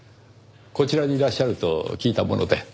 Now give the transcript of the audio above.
こちらにいらっしゃると聞いたもので。